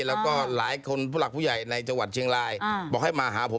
แล้วก็หลายคนผู้หลักผู้ใหญ่ในจังหวัดเชียงรายบอกให้มาหาผม